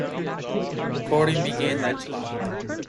Recording began that July.